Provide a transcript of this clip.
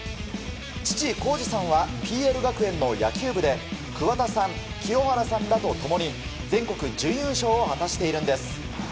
父・浩二さんはＰＬ学園の野球部で桑田さん、清原さんと共に全国準優勝を果たしているんです。